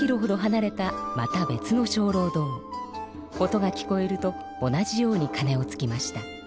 音が聞こえると同じようにかねをつきました。